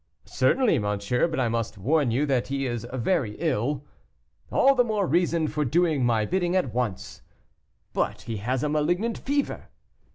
'Certainly, monsieur, but I must warn you that he is very ill.' 'All the more reason for doing my bidding at once.' 'But he has a malignant fever.